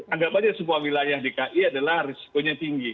anggap saja semua wilayah dki adalah risikonya tinggi